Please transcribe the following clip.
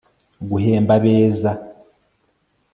guhemba abeza